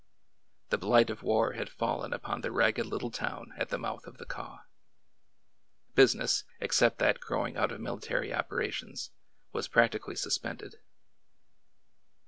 The blight of war had fallen upon the ragged little town at the mouth of the Kaw. Business, except that growing out of military operations, was practically suspended.